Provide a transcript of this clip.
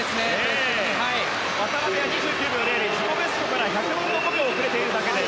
渡辺は２６秒０で自己ベストから１００分の５秒遅れているだけです。